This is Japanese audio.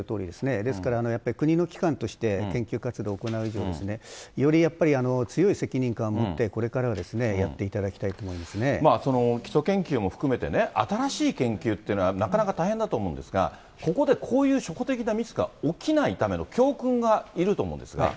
ですから、やっぱり国の機関として、研究活動を行う以上、よりやっぱり強い責任感を持ってこれからはやっていただきたいと思いまその基礎研究も含めて、新しい研究っていうのは、なかなか大変だと思うんですが、ここでこういう初歩的なミスが起きないための教訓がいると思うんですが。